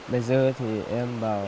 bây giờ thì em bảo